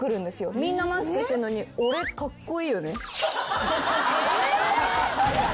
みんなマスクしてんのに俺カッコイイよね。